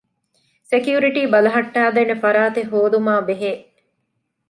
ސެކިއުރިޓީ ބަލައްޓައިދޭނެ ފަރާތެއް ހޯދުމާއި ބެހޭ